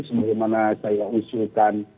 sebelum saya usulkan